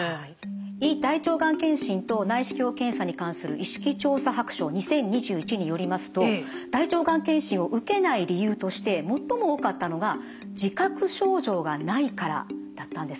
「胃・大腸がん検診と内視鏡検査に関する意識調査白書２０２１」によりますと大腸がん検診を受けない理由として最も多かったのが「自覚症状がないから」だったんです。